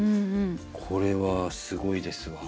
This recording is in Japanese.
これはすごいですわ。